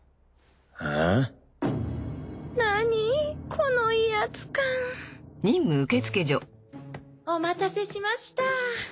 この威圧感お待たせしました。